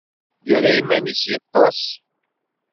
Yerra iman-is yeṭṭes.